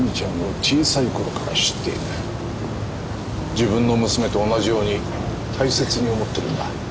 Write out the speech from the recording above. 自分の娘と同じように大切に思ってるんだ。